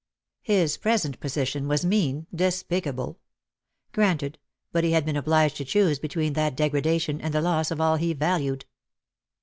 His present position was mean, despicable. Granted; but he had been obliged to choose between that degradation and the loss of all he valued.